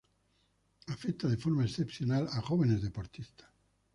Afecta de forma especial a jóvenes deportistas.